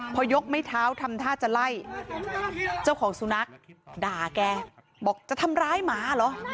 พอยกไม้เท้าทำท่าจะไล่เจ้าของสุนัขด่าแกบอกจะทำร้ายหมาเหรอ